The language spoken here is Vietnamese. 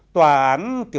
tòa án tiểu thuyết